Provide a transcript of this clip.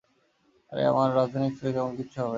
আরে আমার, রাজধানী এক্সপ্রেস, এমন কিচ্ছু হবে না।